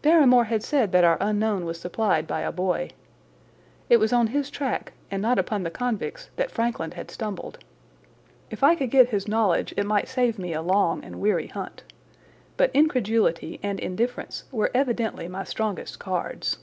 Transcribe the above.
Barrymore had said that our unknown was supplied by a boy. It was on his track, and not upon the convict's, that Frankland had stumbled. If I could get his knowledge it might save me a long and weary hunt. But incredulity and indifference were evidently my strongest cards.